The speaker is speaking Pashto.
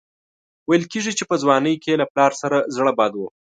ویل کېږي چې په ځوانۍ کې یې له پلار سره زړه بد و.